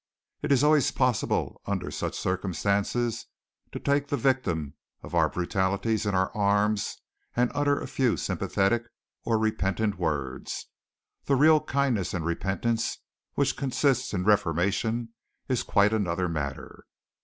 It is always possible under such circumstances to take the victim of our brutalities in our arms and utter a few sympathetic or repentant words. The real kindness and repentance which consists in reformation is quite another matter.